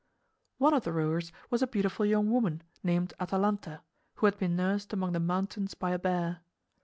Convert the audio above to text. One of the rowers was a beautiful young woman named Atalanta, who had been nursed among the mountains by a bear.